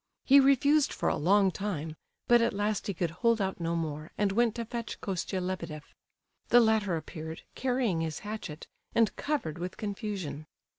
He refused for a long time, but at last he could hold out no more, and went to fetch Kostia Lebedeff. The latter appeared, carrying his hatchet, and covered with confusion.